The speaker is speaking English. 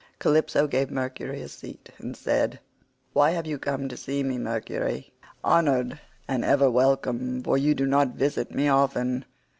Calypso gave Mercury a seat and said: "Why have you come to see me, Mercury—honoured, and ever welcome—for you do not visit me often?